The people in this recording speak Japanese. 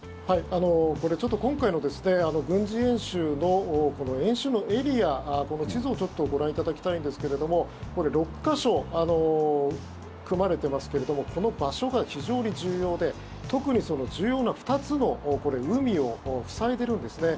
これ、ちょっと今回の軍事演習の演習のエリア地図をちょっとご覧いただきたいんですけれども６か所組まれていますけれどもこの場所が非常に重要で特に、重要な２つの海を塞いでいるんですね。